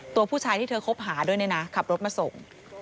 ตัวผู้ชายที่เธอคบหาด้วยเนี่ยนะขับรถมาส่ง